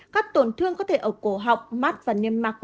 các tổn thương có thể ở cổ học mắt và niêm mạc của niệm đạo âm đạo hoặc hậu môn